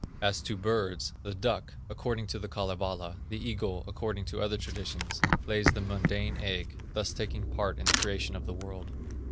As to birds, the duck, according to the Kalevala, the eagle, according to other traditions, lays the mundane egg, thus taking part in the creation of the world.